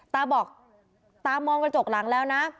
ตาบอกตามองกระจกหลังแล้วนะ